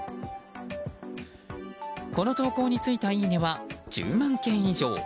この投稿についたいいねは１０万件以上。